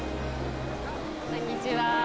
こんにちは。